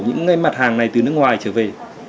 những mặt hàng này từ nước ngoài trở về